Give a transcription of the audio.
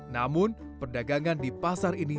namun perdagangan di pasar ini